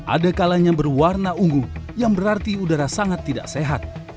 ada kalanya berwarna ungu yang berarti udara sangat tidak sehat